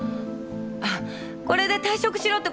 あっこれで退職しろってことですか？